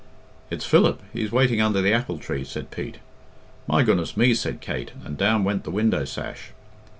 "It's Philip. He's waiting under the apple tree," said Pete. "My goodness me!" said Kate, and down went the window sash.